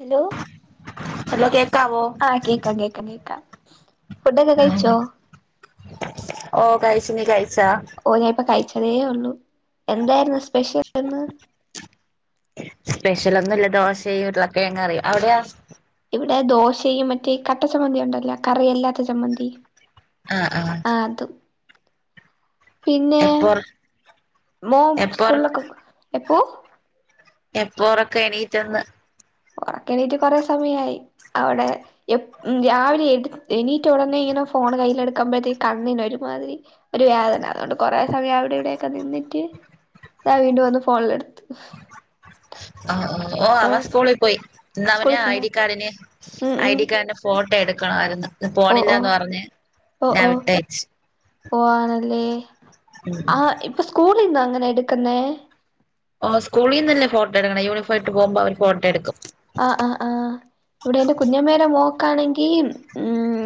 Hello hello കേൾക്കാവോ? ആഹ്, കേൾക്കാം, കേൾക്കാം കേൾക്കാം ഫുഡൊക്കെ കഴിച്ചോ? ഓഹ്, കഴിച്ചു, നീ കഴിച്ചോ? ഓഹ് ഞാന് ഇപ്പ കഴിച്ചതേ ഒള്ളു, എന്തായിരുന്നു സ്പെഷ്യൽ ഇന്ന്? സ്പെഷ്യല ഒന്നുല്ല ദോശയും ഉരുളക്കിഴങ്ങ് കറി. അവിടെയോ? ഇവിടെ ദോശയും മറ്റേ കട്ട ചമ്മന്തി ഉണ്ടല്ലോ കറിയല്ലാത്ത ചമ്മന്തി. ആഹ്, ആഹ്. ആഹ് അതും പിന്നെ എപ്പോർ മോൻ എപ്പോർ സ്കൂളിലൊക്കെ എപ്പോ എപ്പോഒറക്കം എണീറ്റന്ന് ഒറക്കെണീട്ട് കൊറേ സമയായി അവിടെ എപ് രാവിലെ എടു എനീട്ട ഉടനെ ഇങ്ങനെ ഫോൺ കയ്യിൽ എടുക്കുമ്പഴത്തേക്ക് കണ്ണിന് ഒരുമാതിരി ഒരു വേദന അതുകൊണ്ട് കൊറേ സമയം അവിടെ ഇവിടെയൊക്കെ നിന്നിട്ട് ഞാൻ വീണ്ടും വന്ന് ഫോണിലെടുത്തു ആഹ് ഓഹ് ഓ അവൻ സ്കൂളിൽ പോയി ഇന്ന് അവന് സ്കൂളിൽ ഐ പോയോ ഡി കാർഡിന് ഉം ഐ ഉം ഡി കാർഡിന് ഫോ ഫോട്ടോ എടുക്കണമായിരുന്നു ഇന്ന് ഓ ഓ പോണില്ലന്ന് പറഞ്ഞ് ഓ ഞാൻ ഓ വിട്ടയച്ച് ഓ ആണല്ലേ ഉം ആഹ് ഇപ്പൊ സ്കൂളിന്ന അങ്ങനെ എടുക്കുന്നെ ഓഹ് സ്കൂളിന്നന്നെ ഫോട്ടോ എടുക്കണ യൂണിഫോമിട്ട് പോകുമ്പോ അവര് ഫോട്ടോയെടുക്കും ആഹ് ആഹ് ആഹ് ഇവിടെ എന്റെ കുഞ്ഞമ്മേടെ മോക്കാണെങ്കി ഉം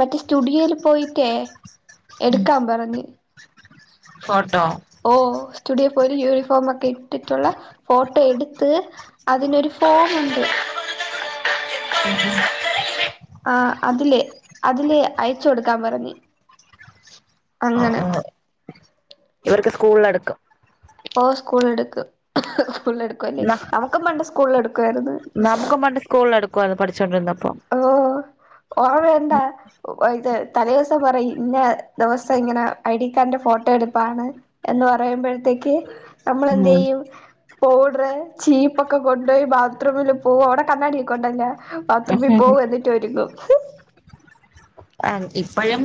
മറ്റേ സ്റ്റുഡിയോൽ പോയിട്ടേ എടുക്കാം പറഞ്ഞ് ഫോട്ടോ ഓഹ് സ്റ്റുഡിയോ പോയിട്ട് യൂണിഫോമൊക്കെ ഇട്ടിട്ടുള്ള ഫോട്ടോ എടുത്ത് അതിനൊരു ഫോമുണ്ട് [unintelligible] ആഹ് അതില് അതില് അയച്ച് കൊടുക്കാൻ പറഞ്ഞ് ആഹ് അങ്ങനെ ആഹ് ഇവർക്ക് സ്കൂളിലെടുക്കും ഓഹ് സ്കൂളിൽ എടുക്കും സ്കൂളിൽ എടുക്കുംല്ലേ ന്ന നമുക്കും പണ്ട് സ്കൂളിൽ എടുക്കുവായിരുന്നു നമുക്ക് പണ്ട് സ്കൂളിൽ എടുക്കുവായിരുന്നു പഠിച്ചുകൊണ്ടിരുന്നപ്പം ഒറവ ഒണ്ടാ ഓ ഇത് തലേ ദിവസം പറയും ഇന്ന ദിവസം ഇങ്ങനെ ഐ ഡി കാർഡിന്റെ ഫോട്ടോ എടുപ്പാണ് എന്ന് പറയുമ്പോഴത്തേക്ക് നമ്മൾ എന്ത് ഉം ചെയ്യും പൗഡറ് ചീപ്പ് ഒക്കെ കൊണ്ടുപോയി ബാത്റൂമില് പോകും അവിടെ കണ്ണാടിക്കൊണ്ടല്ലോ ബാത്റൂമി വിടിട്ടൊരുങ്ങും ആണ് ഇപ്പോഴും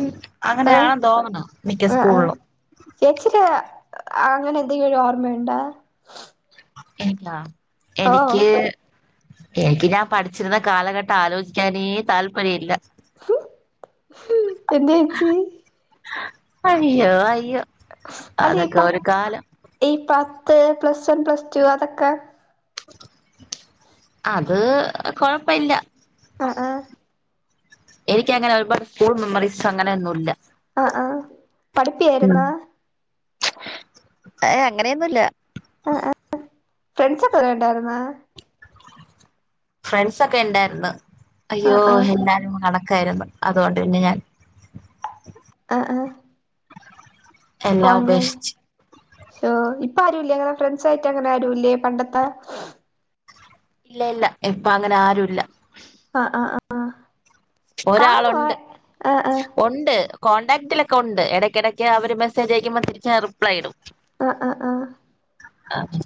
ആഹ് അങ്ങനെയാണന്ന് തോന്നുന്നു മിക്ക സ്കൂളിലും ചേച്ചിക്ക് അങ്ങനെ എന്തെങ്കിലും ഒരു ഓർമ്മയുണ്ട എനിക്കാ ഓ എനിക്ക് എനിക്ക് ഞാൻ പഠിച്ചിരുന്ന കാലഘട്ടം ആലോചിക്കാനേ താല്പര്യമില്ല എന്ത ചേച്ചി അയ്യോ അയ്യോ അല്ല ഈ അതൊക്കെ ഒരു പത് കാലം ഈ പത്ത് പ്ലസ് വൺ പ്ലസ് ടു അതൊക്കെ അത് കൊഴപ്പില്ല ആഹ് ആഹ് എനിക്ക്ങ്ങനെ ഒരുപാട് സ്കൂൾ മെമ്മറീസ് അങ്ങനെയൊന്നും ഇല്ല ആഹ് ആഹ് പഠിപ്പിയായിരുന്നാ ഏഹ് അങ്ങനെയൊന്നുംല്ല ആഹ് ആഹ് ഫ്രണ്ട്സ് ഒക്കെ ഉണ്ടായിരുന്നോ ഫ്രണ്ട്സൊക്കെ ഉണ്ടായിരുന്നു ആ അയ്യോ ആ എല്ലാരും കണക്കായിരുന്നു അതുകൊണ്ട് പിന്നെ ഞാൻ ആഹ് ആഹ് എല്ലാം ഉപേക്ഷിച്ച് [unintelligible] ഓ ഇപ്പ ആരുല്ലേ അങ്ങനെ ഫ്രണ്ട്സ് ആയിട്ട് അങ്ങനെ ആരുല്ലേ പണ്ടത്ത ഇല്ല ഇല്ല ഇപ്പ അങ്ങനെ ആരു ഇല്ല ആഹ് ആഹ് ആഹ് ആഹ് ഒരാളുണ്ട് ആ ആ ഉണ്ട് കോണ്ടടാക്റ്റിലൊക്കെ ഉണ്ട് ഇടയ്ക്കിടയ്ക്ക് അവര് മെസ്സേജ് അയക്കുമ്പോൾ തിരിച്ച് റിപ്ലൈ ഇടും ആഹ് ആഹ് ആഹ് ആഹ്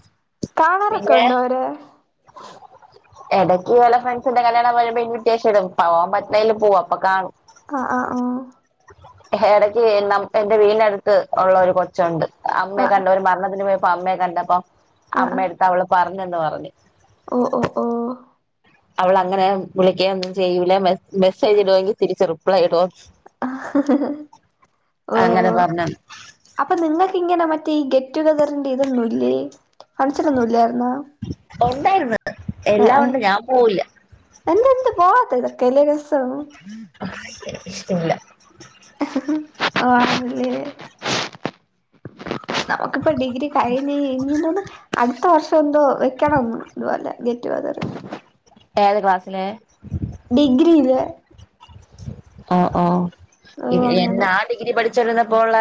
കാണറൊക്കെ ഉണ്ടോ അവരെ [inaudible] ഇടയ്ക്ക് വല്ല ഫ്രണ്ട്സിന്റെ കല്യാണം വരുമ്പോ ഇൻവൈറ്റേഷൻ ഇടും പോവാൻ പറ്റുന്നതില് പോവും അപ്പൊ കാണും ആഹ് ആഹ് ആഹ് ഇടക്ക് എന്റെ വീടിനടുത്ത് ഉള്ള ഒരു കൊ ണ്ട് ആ അമ്മയെ കണ്ട് ഒരു മരണത്തിന് പോയപ്പോ അമ്മയെ കണ്ടപ്പോം അമ്മ എടുത്ത് അവള് പറഞ്ഞന്ന് പറഞ്ഞ് ഓഹ് ഓഹ് ഓഹ് അവളങ്ങനെ വിളിക്കുന്നും ചെയ്യൂല മെസ്സേജ് ഇടുെങ്കിൽ തിരിച്ച് റിപ്ലൈ ഇടോ ഓ അങ്ങനെ പറഞ്ഞ് അപ്പൊ നിങ്ങൾക്ക്ങ്ങനെ മറ്റേ ഈ ഗെറ്റുഗദറിന്റെ ഇതൊന്നുംല്ലേ മനസിലൊന്നുംല്ലായിരുന്നാ ഉണ്ടായിരുന്നു ഏഹ് എല്ലാം ഏഹ് ഉണ്ട് ഞാൻ പോവില്ല എന്ത് എന്ത് പോകത്തില്ല ചെല ദിവസം [unintelligible] ഇഷ്ടല്ല [inaudible] ആഹ് അതെ നമുക്കിപ്പ ഡിഗ്രി കഴിഞ്ഞു ഇനി തോന്നുന്നു അടു ത്ത വർഷം എന്തോ വെക്കണം ഇതുപോലെ ഗെറ്റ്ഗതറ് ഏത് ക്ലാസ്സില് ഡിഗ്രിയില് ഓഹ് ഓഹ് ഓ എന്ന അങ്ങനെ ഞാൻ ഡിഗ്രി പഠിച്ചരുന്നപ്പോ ഉള്ള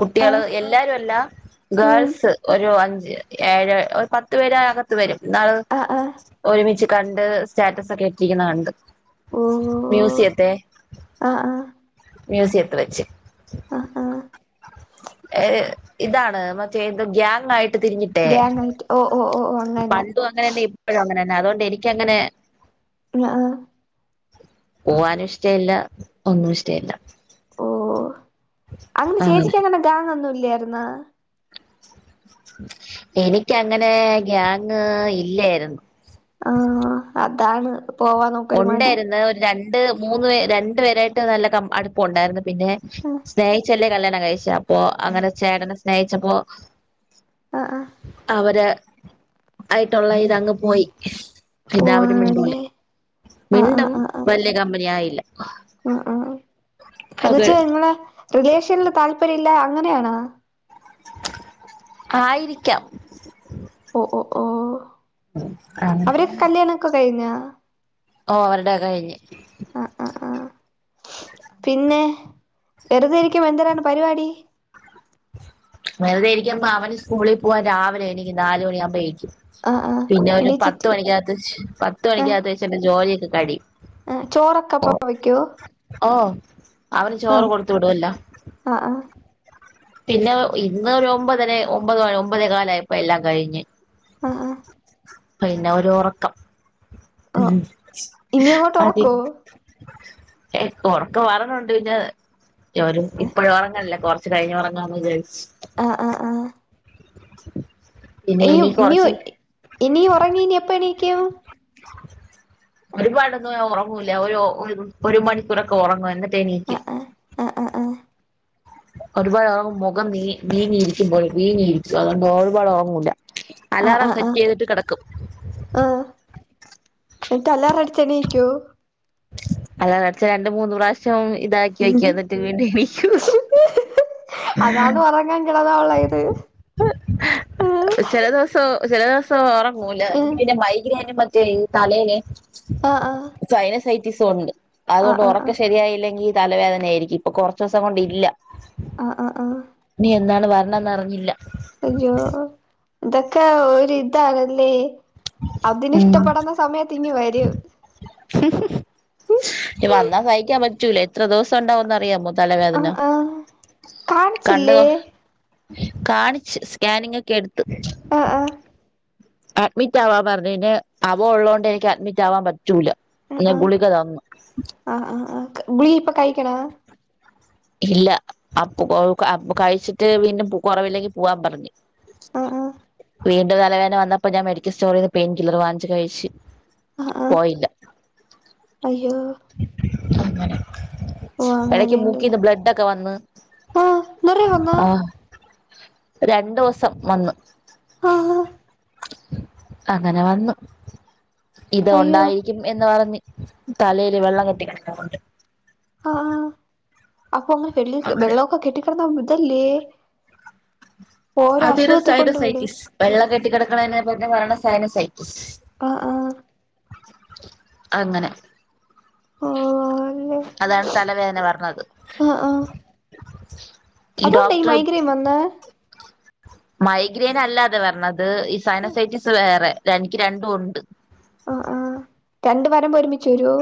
കുട്ടികള് ആഹ് എല്ലാരുല്ല ഉം ഗേൾസ് ഒരു അഞ്ച് ഏഴ് ഒരു പത്ത് പേരെ അകത്ത് വരും ഇന്നാള് ആഹ് ആഹ് ഒരുമിച്ച് കണ്ട് സ്റ്റാറ്റസ് ഒക്കെ ഇട്ടിരിക്കുന്നതണ്ട് ഓ മ്യൂസിയത്തെ ആഹ് ആഹ് മ്യൂസിയത്തില് വെച്ച് ആഹ് ആഹ് ഏഹ് ഇതാണ് മറ്റേത് ഗ്യാങ്ങായിട്ട് തിരിഞ്ഞിട്ട് ഗാങ്ങായിറ്റ് പണ്ടും അങ്ങനെന്നെ ഇപ്പോഴും അങ്ങനെന്നെ അതുകൊണ്ട് എനിക്കങ്ങനെ ആഹ് പോവാനും ഇഷ്ടം ഇല്ല ഒന്നും ഇഷ്ടം ഇല്ല അന്ന് ചേച്ചിക്ക് അങ്ങനെ ഗാങ്ങ് ഒന്നും ഇല്ലായിരുന്നോ എനിക്കങ്ങനെ ഗാങ്ങ് ഇല്ലായിരുന്നു ആഹ് അതാണ് പോവാന്നൊക്ക ഉണ്ടായിരുന്നു ഒരു രണ്ട് മൂന്ന് രണ്ട് പേരായിട്ട് നല്ല ക അടു പ്പം ഉണ്ടായിരുന്നു പിന്നെ ആഹ് സ്നേഹിച്ചല്ലേ കല്യാണം കഴിച്ചെ അപ്പൊ അങ്ങനെ ചേട്ടനെ സ്നേഹിച്ചപ്പോ ആഹ് ആഹ് അവര് ആയിട്ടുള്ള ഇതങ്ങ് പോയി ഓ പിന്നെ അവര് മിണ്ടൂല ആണല്ലേ ആഹ് മിണ്ടും ആഹ് ആഹ് വല്ല്യ കമ്പനി ആയില്ല ആഹ് ആഹ് ആഹ് എന്ന് അത് വെച്ചാ നിങ്ങളെ റിലേഷനില് താല്പര്യല്ല അങ്ങനെയാണോ ആയിരിക്കാം ഓഹ് ഓഹ് ഓഹ് അങ്ങനെ അവരെ കല്യാണംക്കെ കഴിഞ്ഞോ ഓഹ് അവരുടെ കഴിഞ്ഞ് അ അ ആ പിന്നെ വെറുതെ ഇരിക്കും എന്തിനാണ് പരിവാടി വെറുതായിരിക്കുമ്മാ അവന് സ്കൂളിൽ പോവാൻ രാവിലെ എണീക്കും നാല് മണിയാകുമ്പോയേക്കും ആഹ് ആഹ് പിന്നെ അവന് പത്ത് എണീച്ചിട്ട് മണിക്കകത്ത് പത്ത് മണിക്കകത്ത് എന്റെ ജോലിയൊക്കെ കഴിയും. ഏ ചോറൊക്കെ അപ്പപ്പോ വയ്ക്കോ ഓ അവന് ചോറ് കൊടുത്ത് വിടൊല്ലോ ആ ആ പിന്നെ ഇന്ന് ഒരു ഒമ്പതര ഒമ്പത് ഒമ്പതേ കാലായപ്പോ എല്ലാം കഴിഞ്ഞ് അ ഹാ പിന്നെ ഒരു ഒറക്കം ഓഹ് ഇനി അങ്ങോട്ട് അതേ ഒറക്കോ ഇപ്പൊ ഒറക്കം വരണണ്ട് പിന്നെ ഇപ്പഴും ഉറങ്ങല്ലേ കൊറ ച്ച് കഴിഞ്ഞ് ഒറങ്ങാന്ന് വിചാരിച്ചു അ ഹാ ഹാ പിന്നെ ഇയും ഇനി കൊറച്ച് ഇനിയും ഉറങ്ങിനി എപ്പ എണീക്കും ഒരുപാടൊന്നു ഒറങ്ങൂല്ല ഒരു ഒരു മണിക്കൂറൊക്കെ ഒറങ്ങും എന്നിട്ട് ആഹ് ട്ടെണീക്കും ആഹ് ആഹ് ആഹ് ആഹ് ഒരുപാട് ഒറങ്ങുമ്പോ മുഖം നീ മീങ്ങി ഇരിക്കുമ്പോലും വീങ്ങി ഇരിക്കും അതുകൊണ്ട് ഒരുപാട് ഒറങ്ങുല്ല ആഹ് അലാറം ആഹ് സെറ്റ് ആഹ് ചെയ്തിട്ട് കെടക്കും ആഹ് എന്നിട്ട് അലാറടിച്ചാ എണീക്കോ അലാറടിച്ച രണ്ട് മൂന്ന് പ്രാവശ്യം ഇതാക്കി വയ്ക്കും. എന്നിട്ട് വീണ്ടും വി ഷു [unintelligible] അതാന്ന് ഒ റങ്ങാൻ കെടന്നാ ഒള്ള ഇത് ആഹ് ചെല ദിവസം ചെല ദിവസം ഒറങ്ങൂല ആഹ് എനിക്ക് പിന്ന മൈഗ്രെയ് ന് പ പൈൻ തലേല് അ ഹാ സൈനസൈറ്റിസൊണ്ട് അതുകൊണ്ട് ഒ റ ആഹ് ക്കം ശരിയായില്ലെങ്കി തലവേദന ആയിരിക്കും ഇപ്പൊ കൊറച്ച് ദിവസം കൊണ്ടില്ല ആഹ ഹാ ആഹ് ഇനി എന്നാണ് വരണംന്ന്റിഞ്ഞില്ല അയ്യോ ഇതൊക്കെ ഒരിതാണല്ലേ ഉം അതിനിഷ്ടപ്പെടുന്ന സമയത്ത് ഇനി വരൂ വന്നാ സഹിക്കാൻ പറ്റൂല എത്ര ദിവസം ഉണ്ടാവുന്ന് അറിയാമോ തലവേദന ആഹ് ആഹ് കണ്ണു കാണിച്ചില്ലേ കാണിച്ചു സ്കാനിങ് ഒക്കെ എടുത്ത് ആഹ് ആഹ് അഡ്മിറ്റ് ആവാൻ പറഞ്ഞ് പിന്നെ അവൊൻ ഉള്ളോണ്ട് എനിക്ക് അഡ്മിറ്റ് ആവാൻ പറ്റൂല ആഹ് ആഹ് ഗുളികതന്ന് ആഹ് ആഹ് ആഹ് ഗുളിക ഇപ്പൊ കഴിക്കണോ ഇല്ല അപ്പൊ കൊ കഴിച്ചിട്ട് വീണ്ടും കുറവില്ലെങ്കി പോവാൻ പറഞ്ഞ് ആഹ് ആഹ് വീണ്ടും തലവേദന വന്നപ്പോ ഞാൻ മെഡിക്കൽ സ്റ്റോറിന്ന് പെയിൻ കില്ലർ വാങ്ങിച്ച് കഴിച്ച് ആഹ് ആഹ് പോയില്ല അയ്യോ അങ്ങനെ ഓഹ് എടയ്ക്ക് അങ്ങനെയല്ലേ മൂക്കിന്ന് ബ്ലഡ് ഒക്കെ വന്ന് ആഹ് നിറ വന്നാ ആഹ് രണ്ടോസം വന്ന് ആഹ് ആഹ് അങ്ങനെ വന്നു ഇത് അയ്യോ ഒണ്ടായി ക്കിം എന്ന് പറഞ്ഞ് തലയില് വെള്ളം കെട്ടികിടക്കാന്ന് പറഞ്ഞിട്ട് ആഹ് അപ്പൊ [unintelligible] അങ്ങനെ വെള്ളക്കെ കെട്ടി [unintelligible] ഇതല്ലേ ഓരോ അതൊരു അസുഖത്തി കൊണ്ട് വിടും സൈനസൈറ്റിസ് വെള്ളം കെട്ടികിടക്കണതിനെ പറയണ സയനസൈറ്റിസ് ആഹ് ആഹ് അങ്ങനെ ഓ അല്ലെ അതാണ് തലവേദന വരണത് ആഹ് ഈ അതുകൊണ്ടാ ഡോക്ടറ് മൈഗ്രേൻ വന്നേ മൈഗ്രെൻ അല്ലാതെ വരണത് ഇത് ഈ സൈനസൈറ്റിസ് വേറെ എനിക്ക് രണ്ടും ഉണ്ട് ആഹ് ആഹ് രണ്ടും വരുമ്പോ ഒരുമിച്ചു വരോ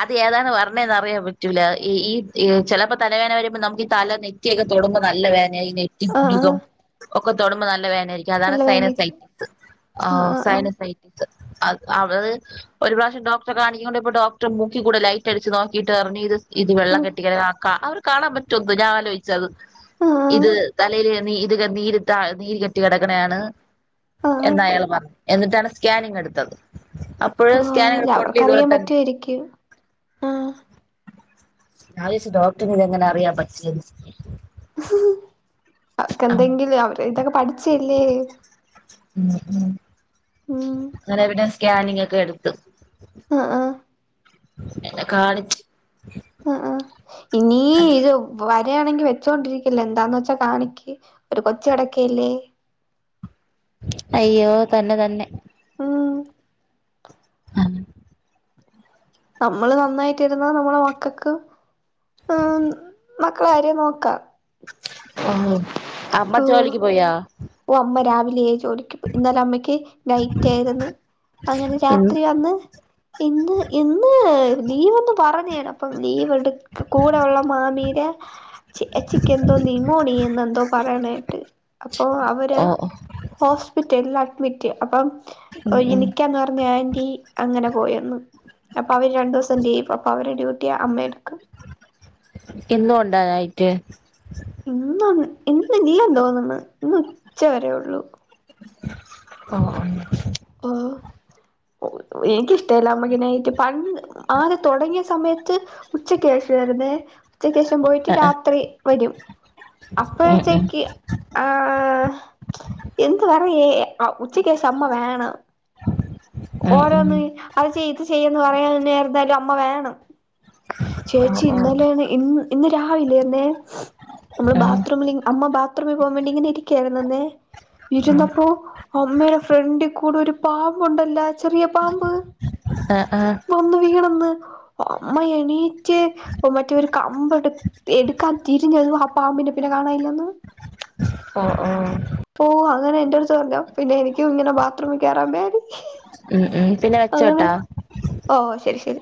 അത് ഏതാണ് വരണേന്ന് അറിയാൻ പറ്റൂല ഈ ചിലപ്പോ തലവേദന വരുമ്പോ നമ്മുക്ക് ഈ തല നെ നെറ്റിയൊക്കെ തൊടുമ്പോ നല്ല വേദനായി നെറ്റി ആഹ് ആഹ് പുരികം ഒക്കെ തൊടുമ്പോ നല്ല വേദനയായിരിക്കും അതാണ് നല്ല സൈന വേദനയൊക്കെ സൈറ്റിസ് ആഹ് സൈന സൈ അത് ഒരു പ്രാവശ്യം ഡോക്ടറെ കാണി [unintelligible] ഡോക്ടറ് മൂക്കി കൂടെ ലൈറ്റ് അടിച്ച് നോക്കിട്ട് പറഞ്ഞ് ഇത് ഇത് വെള്ള ആഹ് കെട്ടി കെടക്കണ [unintelligible] കാണാൻ പറ്റുന്നു ഞാൻ ആലോചിച്ച അത് ആഹ് ഇത് തലയില് [unintelligible] നീര് കെട്ടി കിടക്കണയാണ് ആഹ് ആഹ് എന്ന് അയാള് പറഞ്ഞു എന്നിട്ടാണ് സ്കാനിങ് എടുത്തത് അപ്പോഴും സ്കാനിങ് റിപ്പോർട്ടിൽ ഇത് പോലെ എനിക്ക് ഞാൻ വിചാരിച്ച് ഡോക്ടറിന് ഇതെങ്ങനെ അറിയാൻ പറ്റുവെന്ന് അവർക്ക് അങ്ങനെ എന്തെങ്കിലും അവര് ഇതൊക്കെ പഠിച്ചയല്ലേ ഉം ഉം ഉം അങ്ങനവിടെ സ്കാനിങ് ഒക്കെ എടുത്ത് ആഹ് ആഹ് എന്നെ കാണിച്ച് ആഹ് ആഹ് ഇനീ ഇതും വരിയാണെങ്കി വെച്ചോണ്ടിരിക്കല്ലേ എന്താന്ന് വെച്ചാ കാണിക്ക് ഒരു കൊച്ച് കെടക്കല്ലേ അയ്യോ തന്നെ തന്നെ ഉം [unintelligible] നമ്മള് നന്നായിട്ടിരുന്ന നമ്മടെ മക്കൾക്ക് ആഹ് മക്കളകാര്യം നോക്കാം [unintelligible] അമ്മ ഓഹ് ജോലിക്ക് പോയാ ഓ അമ്മ രാവിലെ ജോലി ഇന്നല അമ്മയ്ക്ക് നൈറ്റ് ആയിരുന്നു അങ്ങനെ ഇന്ന് രാത്രി വന്ന് ഇന്ന് ഇന്ന് ലീവ് എന്ന് പറഞ്ഞ് അപ്പം ലീവ് എടു കൂടെ ഉള്ള മാമീടെ ചേച്ചിക്ക് എന്തോ നിമോണിയെന്ന് എന്തോ പറയണ കേട്ട് ഓ അവര് ഓ ഹോസ്പിറ്റലിൽ അഡ്മിറ്റ് അപ്പം ഉം ഓ ഉം [unintelligible] പറഞ്ഞ ആൻ്റി അങ്ങനെ പോയന്ന് അപ്പൊ അവര് രണ്ടു ദിവസം ലീവ് അപ്പൊ അവര് ഡ്യൂട്ടി അമ്മയെടുക്കും ഇന്നും ഉണ്ടോ നൈറ്റ് ഇന്ന് ഇന്നില്ലന്ന് തോന്നുന്ന് ഇന്ന് ഉച്ചവരേ ഉള്ളൂ ഓ ഓ ഓ എനിക്കിഷ്ടല്ല അമ്മക്ക് നൈറ്റ് പണ്ട് ആദ്യം തുടങ്ങിയ സമയത്ത് ഉച്ചക്ക് ശേഷവായിരുന്നേ ഉച്ചക്ക് ശേഷം പോയിട്ട് ഓഹ് ആഹ് രാത്രി വരും ആഹ് ഉം അപ്പോഴത്തേക്ക് ആ എന്ത് പറയ് ഉച്ചക്ക് ശേഷം അമ്മ വേണം ഉം ഉം ഉം ഓരോന്ന് അത് ചെയ്യ് ഇത് ചെയ്യന്ന് പറയാൻ എന്തായാലും അമ്മ വേണം ഓഹ് ചേച്ചി ഓഹ് ഇന്നലേണ് ഇന്ന് ഇന്ന് രാവിലെ എന്നെ നമ്മള് ഉം ബാത്റൂമിൽ അമ്മ ബാത്റൂമിൽ പോകാൻ വേണ്ടി ഇങ്ങന ഇരിക്കുകയായിരുന്നന്നെ ഇരുന്നപ്പോ അമ്മേടെ ഫ്രണ്ടി കൂടെ ഒരു പാമ്പുണ്ട് ഇല്ലാ ചെറിയ പാമ്പ് ആഹ് ആഹ് വന്ന് വീണന്ന് അമ്മ എണീറ്റ് മറ്റേ ഒരു കമ്പ് എടു എടുക്കാൻ തിരിഞ്ഞതും ആ പാമ്പിനെ പിന്നെ കാണാ ഇല്ലെന്ന് ഓഹ് ഓഹ് ഓഹ് അങ്ങനെ എൻ്റെ അടുത്ത് പറഞ്ഞ് പിന്നെ എനിക്കും ഇങ്ങനെ ബാത്റൂമി കേറാൻ പേടി ഉം ഉം പിന്നെ വെച്ചോട്ടാ ഓഹ് ശരി ശരി